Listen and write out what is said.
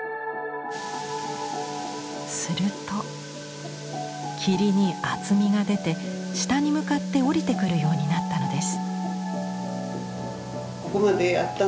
すると霧に厚みが出て下に向かって降りてくるようになったのです。